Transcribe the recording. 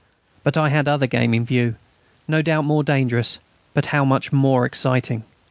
But I had other game in view no doubt more dangerous, but how much more exciting!